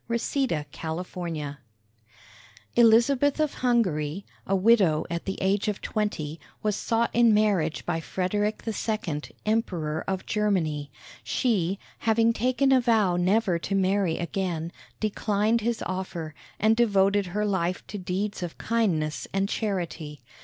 ELIZABETH CROWNED Elizabeth of Hungary, a widow at the age of twenty, was sought in marriage by Frederick II., Emperor of Germany. She, having taken a vow never to marry again, declined his offer, and devoted her life to deeds of kindness and charity.